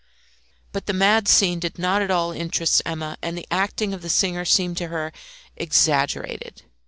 But the mad scene did not at all interest Emma, and the acting of the singer seemed to her exaggerated.